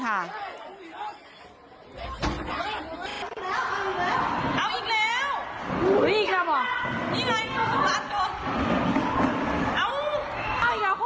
โอ้ค่ะเอาลูกบอลก่อนที่นี่เอาอุ๊ยปลาปลาปลา